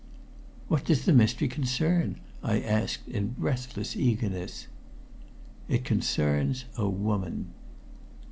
"What does the mystery concern?" I asked, in breathless eagerness. "It concerns a woman."